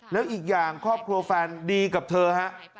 แล้วอีกอย่างครอบครัวแฟนดีกับเธอฮะ